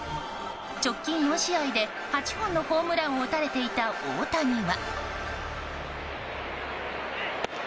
直近４試合で８本のホームランを打たれていた、大谷は。